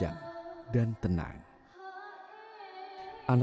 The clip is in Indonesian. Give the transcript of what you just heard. an dan sebagainya